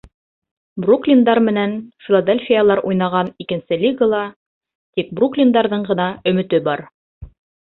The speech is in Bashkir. Бруклиндар менән филадельфиялар уйнаған икенсе лигала тик бруклиндарҙың ғына өмөтө бар.